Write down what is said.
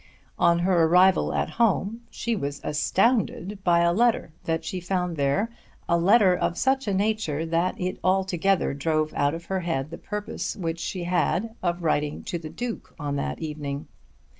On her arrival at home, she was astounded by a letter that she found there, a letter of such a nature that it altogether drove out of her head the purpose which she had of writing to the Duke on that evening.